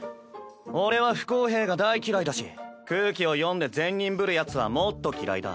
俺は不公平が大嫌いだし空気を読んで善人ぶるヤツはもっと嫌いだ。